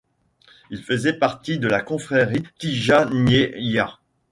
Il faisait partie de la confrérie Tijaniyya.